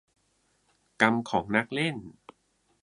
- กรรมของนักเล่น